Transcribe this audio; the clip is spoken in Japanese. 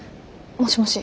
もしもし。